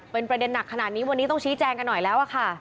เป็นประเด็นหนักขนาดนี้วันนี้ต้องชี้แจงกันหน่อยแล้วค่ะ